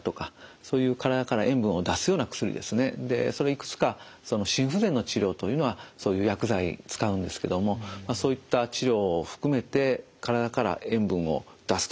いくつか心不全の治療というのはそういう薬剤使うんですけどもそういった治療を含めて体から塩分を出すと。